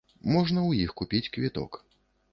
Можна ў іх купіць квіток.